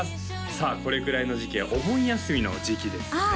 さあこれくらいの時期はお盆休みの時期ですねああ